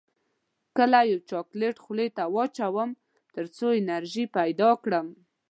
کله یو چاکلیټ خولې ته واچوم تر څو انرژي پیدا کړم